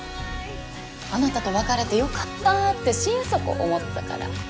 あなたと別れて良かったって心底思ったから。